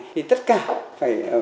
thì tất cả phải